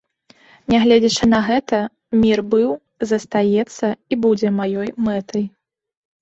Нягледзячы на гэта, мір быў, застаецца і будзе маёй мэтай.